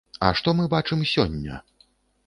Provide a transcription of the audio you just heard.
А што мы бачым сёння?